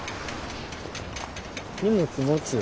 荷物持つよ